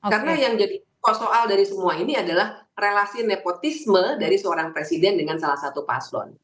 karena yang jadi soal dari semua ini adalah relasi nepotisme dari seorang presiden dengan salah satu paslon